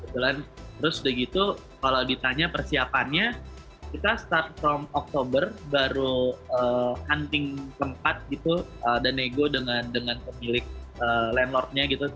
terus udah gitu kalau ditanya persiapannya kita start from oktober baru hunting tempat gitu dan nego dengan pemilik landlornya gitu